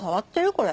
これ。